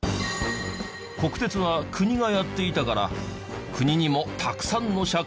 国鉄は国がやっていたから国にもたくさんの借金が。